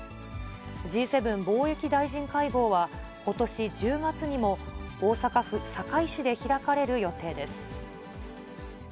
Ｇ７貿易大臣会合は、ことし１０月にも大阪府堺市で開かれる予定です。